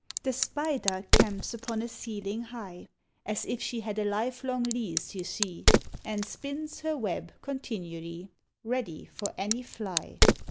The Spider camps upon a ceiling high, As if she had a life long lease, you see, And spins her web continually, Ready for any fly.